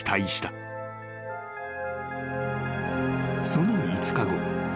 ［その５日後。